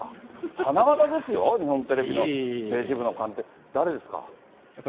花形ですよ、日本テレビの政治部の官邸キャップ。